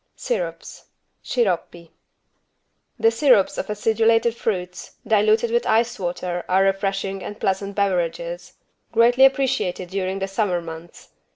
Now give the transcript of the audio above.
SYRUPS (Sciroppi) The syrups of acidulated fruits, diluted with ice water are refreshing and pleasant beverages, greatly appreciated during the summer months.